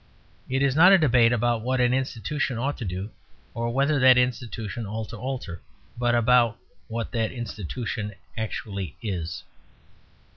It is not a debate about what an institution ought to do, or whether that institution ought to alter, but about what that institution actually is.